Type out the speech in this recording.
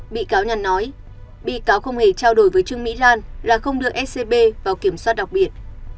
bị cáo nhàn nói bị cáo không hề trao đổi với trương mỹ lan là không đưa scb vào kiểm soát đặc biệt